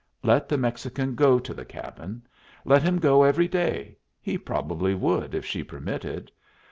Let the Mexican go to the cabin. Let him go every day. He probably would, if she permitted.